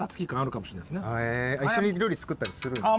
一緒に料理作ったりするんですね。